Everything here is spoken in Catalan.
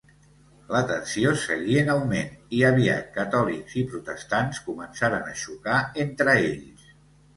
La tensió seguí en augment, i aviat catòlics i protestants començaren a xocar entre ells.